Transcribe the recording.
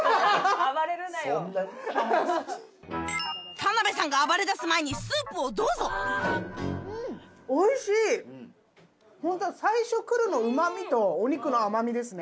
田辺さんが暴れだす前にホントだ最初来るのうま味とお肉の甘みですね。